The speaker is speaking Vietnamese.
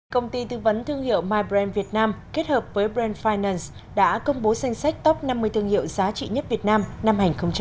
công ty tư vấn thương hiệu mybrand việt nam kết hợp với brand finance đã công bố danh sách top năm mươi thương hiệu giá trị nhất việt nam năm hai nghìn một mươi chín